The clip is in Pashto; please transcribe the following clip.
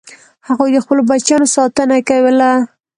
هغوی د خپلو بچیانو ساتنه کوله.